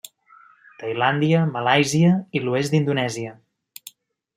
Tailàndia, Malàisia i l'oest d'Indonèsia.